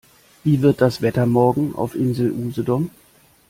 Wie wird das Wetter morgen auf Insel Usedom?